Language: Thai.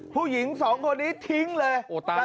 ผู้หญิงสองคนนี้ทิ้งเลย